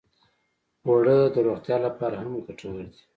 اوړه د روغتیا لپاره هم ګټور دي